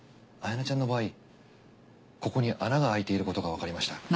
彩名ちゃんの場合ここに穴が開いていることがわかりました。